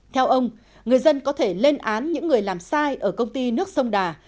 theo ông người dân có thể lên án những người làm sai ở công ty nước sông đà